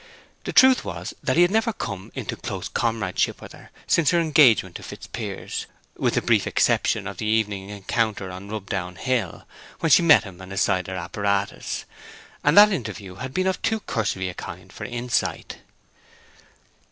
The truth was that he had never come into close comradeship with her since her engagement to Fitzpiers, with the brief exception of the evening encounter on Rubdown Hill, when she met him with his cider apparatus; and that interview had been of too cursory a kind for insight.